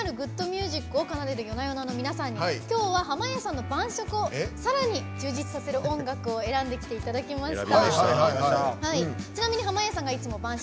ツマミになるグッドミュージックを奏でるＹＯＮＡＹＯＮＡＷＥＥＫＥＮＤＥＲＳの皆さんには今日は濱家さんの晩酌をさらに充実させる音楽を選んできていただきました。